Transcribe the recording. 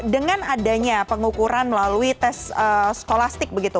dengan adanya pengukuran melalui tes skolastik begitu